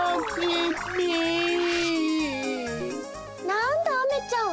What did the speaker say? なんだアメちゃん